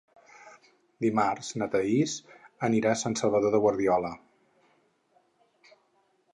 Dimarts na Thaís anirà a Sant Salvador de Guardiola.